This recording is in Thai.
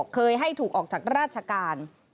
เคยให้ถูกออกจากราชการ